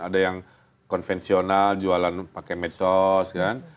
ada yang konvensional jualan pakai medsos kan